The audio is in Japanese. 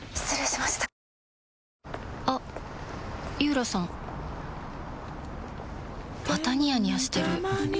またニヤニヤしてるふふ。